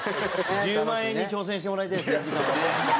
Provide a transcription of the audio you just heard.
１０万円に挑戦してもらいたいですね。